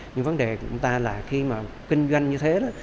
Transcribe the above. nhưng vấn đề của chúng ta là khi mà kinh doanh như thế